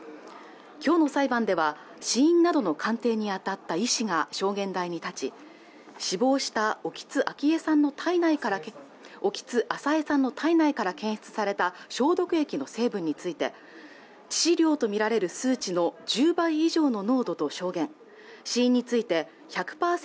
今日の裁判では死因などの鑑定にあたった医師が証言台に立ち死亡した興津朝江の体内から検出された消毒液の成分について致死量とみられる数値の１０倍以上の濃度と証言死因について１００％